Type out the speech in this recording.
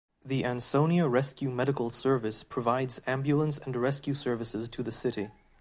The Ansonia Rescue Medical Service provides ambulance and rescue services to the city.